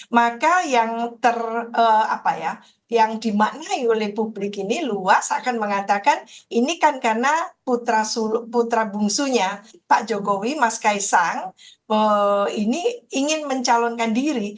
maka yang dimaknai oleh publik ini luas akan mengatakan ini kan karena putra bungsunya pak jokowi mas kaisang ini ingin mencalonkan diri